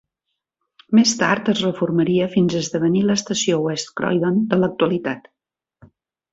Més tard es reformaria fins esdevenir l"estació West Croydon de l"actualitat.